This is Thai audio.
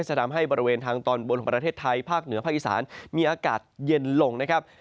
ฝั่งฝั่งทอลโบประเทศไทยภาคเหนือภาคอีสานมีอากาศเย็นลงนะครับ